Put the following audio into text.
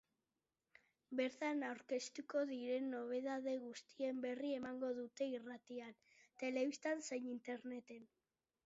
Bertan aurkeztuko diren nobedade guztien berri emango dute irratian, telebistan zein interneten.